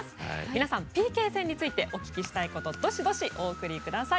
皆さん、ＰＫ戦についてお聞きしたいことどしどしお送りください。